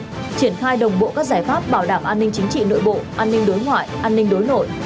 triển khai đồng bộ các giải pháp bảo đảm an ninh chính trị nội bộ an ninh đối ngoại an ninh đối nội